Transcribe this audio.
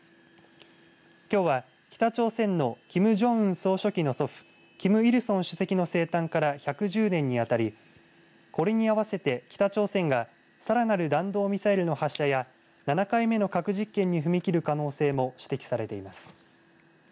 きょうは北朝鮮のキム・ジョンウン総書記の祖父キム・イルソン主席の生誕から１１０年に当たりこれに合わせて北朝鮮がさらなる弾道ミサイルの発射や７回目の核実験に踏み切る可能性も指摘されています。